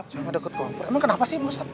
jangan deket kompor emang kenapa sih ustaz